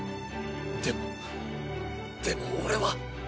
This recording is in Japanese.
でもでも俺は。